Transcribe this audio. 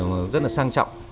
mà rất là sang trọng